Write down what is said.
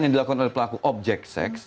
yang dilakukan oleh pelaku objek seks